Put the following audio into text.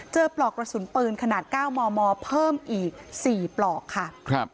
ปลอกกระสุนปืนขนาด๙มมเพิ่มอีก๔ปลอกค่ะ